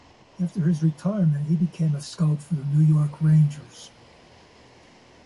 After his retirement, he became a scout for the New York Rangers.